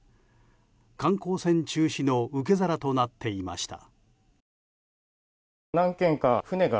観光船中止の受け皿となっていました。